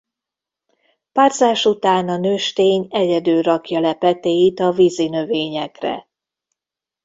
Párzás után a nőstény egyedül rakja le petéit a vízinövényekre.